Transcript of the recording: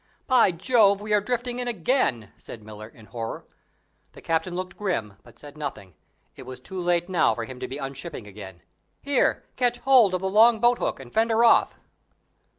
"By Jove, we are drifting in again," said Miller, in horror. The captain looked grim but said nothing; it was too late now for him to be unshipping again. "Here, catch hold of the long boat hook and fend her off."